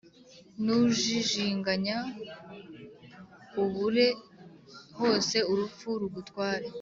nujijinganya ubure hose urupfu rugutware"